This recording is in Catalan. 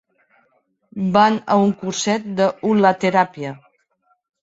Van a un curset d'hulateràpia.